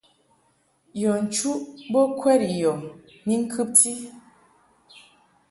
Yɔ nchuʼ bo kwɛd i yɔ ni ŋkɨbti.